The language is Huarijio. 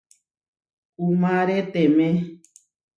Uʼmáreteme.